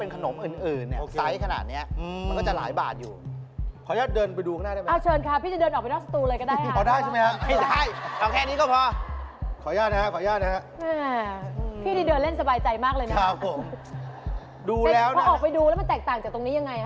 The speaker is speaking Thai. ผมรู้ปั๊บผมรู้เลย